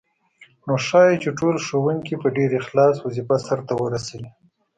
نو ښايي چې ټول ښوونکي په ډېر اخلاص وظیفه سرته ورسوي.